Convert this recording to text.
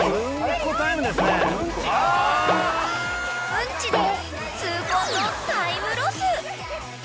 ［うんちで痛恨のタイムロス］